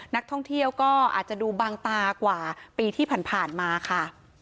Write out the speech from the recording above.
นักท่องเที่ยวก็อาจจะดูบางตากว่าปีที่ผ่านมาค่ะ